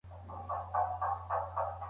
که نشهيي توکي، قمار او دې ته ورته کارونه وو.